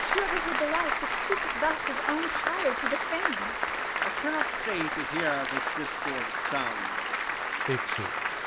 who ever heard the like, That seeketh thus his own child to defame ? Corn. I cannot stay to hear this discord sound.